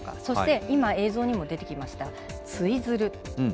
そして、今映像にも出てきましたツイズル。